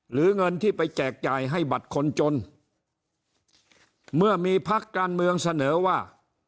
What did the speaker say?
หรือเงินที่ไปแจกจ่ายให้บัตรคนจนเมื่อมีพักการเมืองเสนอว่า